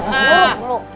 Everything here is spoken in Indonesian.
hah tuh mantap